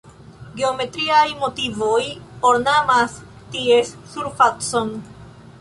Geometriaj motivoj ornamas ties surfacon.